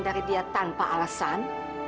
dari dia tanpa alasan